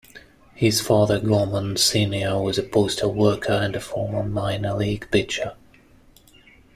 His father, Gorman Sr, was a postal worker and a former minor league pitcher.